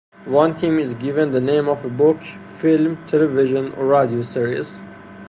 One team is given the name of a book, film, television or radio series.